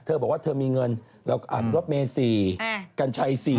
เธอบอกว่าเธอมีเงินรอบเมศีกัญชัย๔